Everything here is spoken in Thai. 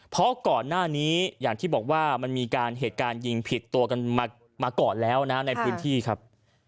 เพราะก่อนหน้านี้อย่างที่บอกว่ามันมีการเหตุการณ์ยิงผิดตัวกันมาก่อนแล้วนะในพื้นที่ครับ